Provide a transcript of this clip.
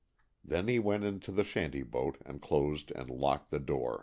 Then he went into the shanty boat and closed and locked the door.